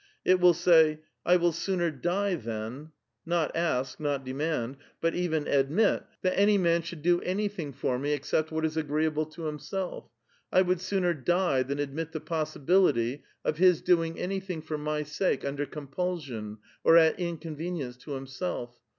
It will say, ' I will sooner die than — not ask, not demand — but even admit that any man. ^VvouVvi 72 A VITAL QUESTION. do anything for me except what is agreeable to himself ; I would sooner die than admit the possibility of his doing any thing for my sake under compulsion or at inconvenience tx> himself.'